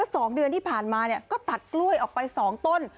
สองเดือนที่ผ่านมาเนี่ยก็ตัดกล้วยออกไปสองต้น